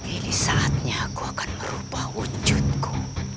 ini saatnya aku akan merubah wujudku